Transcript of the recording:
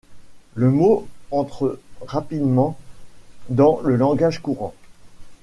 Le mot entre rapidement dans le langage courant.